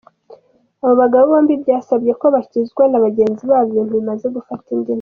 Abo bagabo bombi byasabye ko bakizwa na bagenzi babo ibintu bimaze gufata indi ntera.